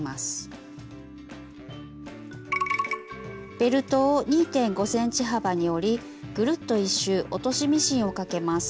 ベルトを２．５ｃｍ幅に折りぐるっと１周落としミシンをかけます。